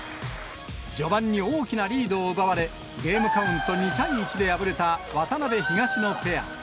序盤に大きなリードを奪われ、ゲームカウント２対１で敗れた渡辺・東野ペア。